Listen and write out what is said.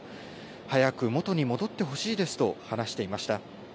早く元に戻ってほしいですと話していました。